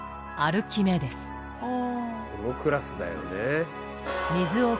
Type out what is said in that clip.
このクラスだよね。